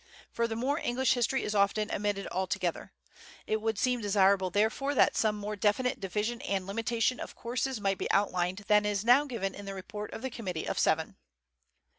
Furthermore, English history is often omitted altogether. It would seem desirable, therefore, that some more definite division and limitation of courses might be outlined than is now given in the report of the Committee of Seven.